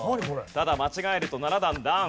ただ間違えると７段ダウン。